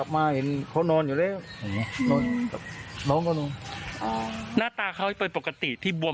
มีอาการอะไรบ้าง